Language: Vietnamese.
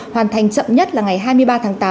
hoàn thành chậm nhất là ngày hai mươi ba tháng tám